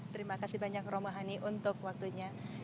terima kasih banyak romohani untuk waktunya